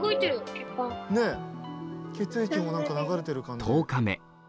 血液も何か流れてる感じで。